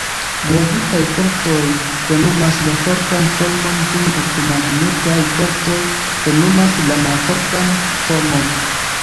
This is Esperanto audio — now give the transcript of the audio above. Gravitaj fortoj plenumas la fortan formon dum elektromagnetaj fortoj plenumas la malfortan formon.